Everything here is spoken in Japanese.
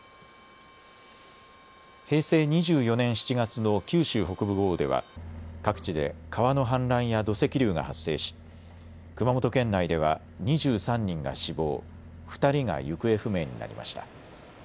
平成２４年７月の九州北部豪雨では各地で川の氾濫や土石流が発生し、熊本県内では２３人が死亡、２人が行方不明になりました。